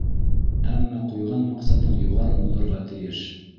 Әммә ҡуйған маҡсатың юғары булырға тейеш.